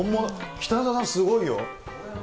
北澤さん、すごいよ。